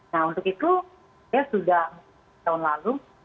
nah untuk itu saya sudah tahun lalu